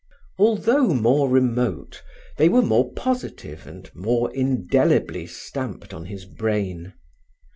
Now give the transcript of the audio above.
Although more remote, they were more positive and more indelibly stamped on his brain.